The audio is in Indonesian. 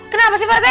kenapa sih pak rete